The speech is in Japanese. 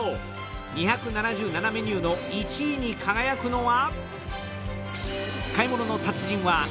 ２７７メニューの１位に輝くのは？